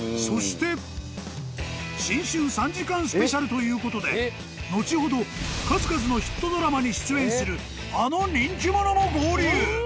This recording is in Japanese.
［そして］［新春３時間ＳＰということで後ほど数々のヒットドラマに出演するあの人気者も合流］